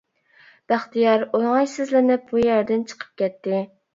بەختىيار ئوڭايسىزلىنىپ بۇ يەردىن چىقىپ كەتتى.